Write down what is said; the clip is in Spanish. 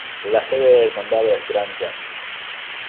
La sede del condado es Grand Junction.